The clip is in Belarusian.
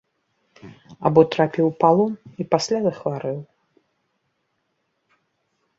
Або трапіў у палон і пасля захварэў.